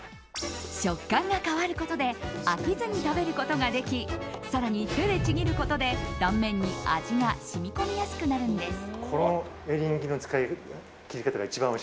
食感が変わることで飽きずに食べることができ更に手でちぎることで、断面に味が染み込みやすくなるんです。